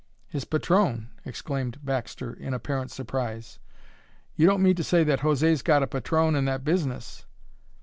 "His patron!" exclaimed Baxter in apparent surprise. "You don't mean to say that José's got a patron in that business!"